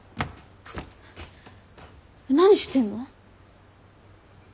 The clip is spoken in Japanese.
何してんの？